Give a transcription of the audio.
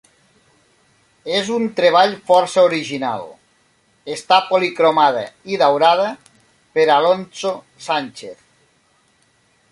És un treball força original; està policromada i daurada per Alonso Sánchez.